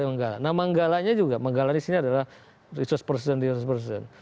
nah manggalanya juga manggalanya disini adalah resource person